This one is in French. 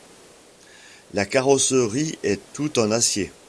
La carrosserie est toute en acier.